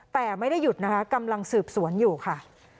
แต่ไม่ได้หยุดนะคะกำลังสืบสวนอยู่ค่ะ